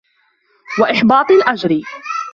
وَإِحْبَاطِ الْأَجْرِ